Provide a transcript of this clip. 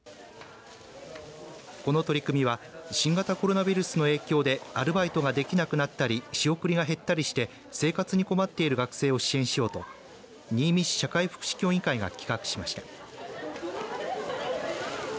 この取り組みは新型コロナウイルスの影響でアルバイトができなくなったり仕送りが減ったりして生活に困っている学生を支援しようと新見市社会福祉協議会が企画しました。